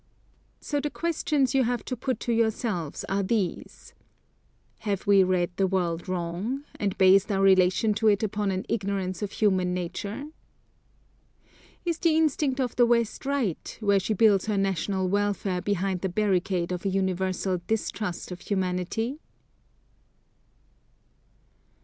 So the questions you have to put to yourselves are these, "Have we read the world wrong, and based our relation to it upon an ignorance of human nature? Is the instinct of the West right, where she builds her national welfare behind the barricade of a universal distrust of humanity?"